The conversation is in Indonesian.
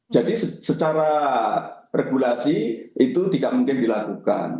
jadi secara regulasi itu tidak mungkin dilakukan